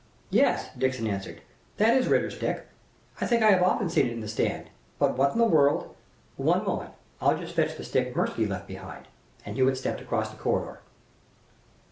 "Yes," Dixon answered, "that is Ritter's stick. I think I have often seen it in the stand. But what in the world " "One moment; I'll just fetch the stick Mirsky left behind." And Hewitt stepped across the corridor.